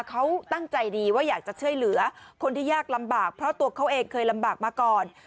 เขาตั้งใจดีว่าอยากจะช่วยเหลือคนที่ยากลำบากเพราะตัวเขาเองเคยลำบากมาก่อน